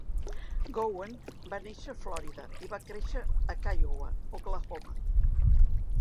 Gowen va néixer a Florida i va créixer a Kiowa, Oklahoma.